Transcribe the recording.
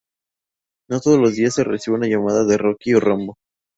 No todos los días se recibe una llamada de Rocky o Rambo.